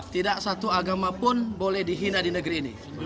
tidak satu agama pun boleh dihina di negeri ini